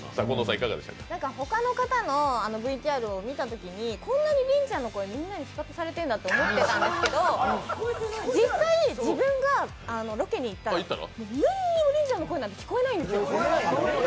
ほかの方のＶＴＲを見たときに、こんなにりんちゃんの声、みんなに聞こえてないんだと思いましたけど、実際、自分がロケに行ったら本当にりんちゃんの声なんて聞こえないの。